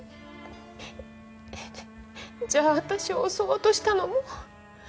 じゃあ私を襲おうとしたのも？